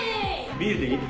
ビールでいい？